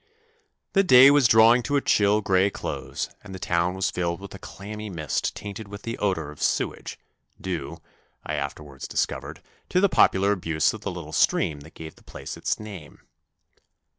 The day was drawing to a chill grey close, and the town was filled with a clammy mist tainted with the odour of sewage, due, I after wards discovered, to the popular abuse of the little stream that gave the place its name.